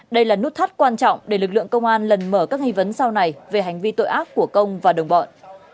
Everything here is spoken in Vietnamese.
đây là nút thắt quan trọng để lực lượng công an lần mở các nghi vấn sau này về hành vi tội ác của công và đồng bọn